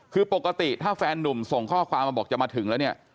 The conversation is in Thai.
คือปกติถ้าแฟนนุ่มส่งข้อความมาบอกจะมาถึงแล้วเนี่ย